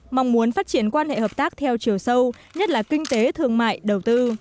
mong muốn phát triển quan hệ hợp tác theo chiều sâu nhất là kinh tế thương mại đầu tư